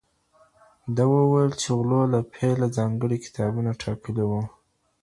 ده وويل چې غلو له پيله ځانګړي کتابونه ټاکلي وو.